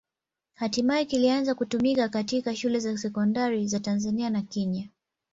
Hatimaye kilianza kutumika katika shule za sekondari za Tanzania na Kenya.